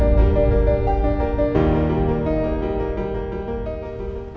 sekali lagi dong